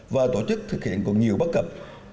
và tổ chức thực hiện còn nhiều bắt cập